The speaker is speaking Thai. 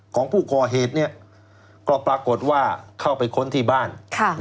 ของผู้ก่อเหตุก็ปรากฏว่าเข้าไปค้นที่บ้าน